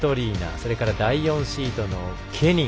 それから第４シードのケニン